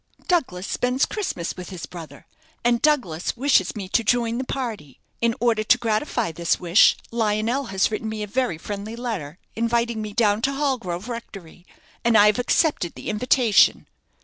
"Douglas spends Christmas with his brother, and Douglas wishes me to join the party. In order to gratify this wish, Lionel has written me a very friendly letter, inviting me down to Hallgrove Rectory, and I have accepted the invitation."